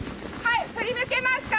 振り向けますか？